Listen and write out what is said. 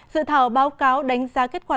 dự thảo báo cáo đánh giá kết quả